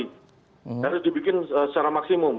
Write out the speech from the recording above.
harus dibikin secara maksimum